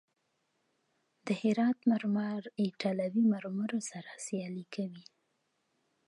د هرات مرمر ایټالوي مرمرو سره سیالي کوي.